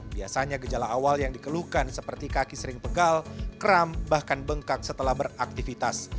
biasanya gejala awal yang dikeluhkan seperti kaki sering pegal kram bahkan bengkak setelah beraktivitas